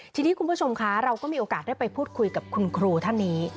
ทีนี้คุณผู้ชมคะเราก็มีโอกาสได้ไปพูดคุยกับคุณครูท่านนี้